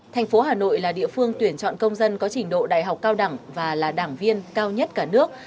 thành phố hà nội là địa phương tuyển chọn công dân có trình độ đại học cao đẳng và là đảng viên cao nhất cả nước